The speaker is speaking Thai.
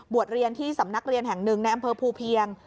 เรียนที่สำนักเรียนแห่งหนึ่งในอำเภอภูเพียง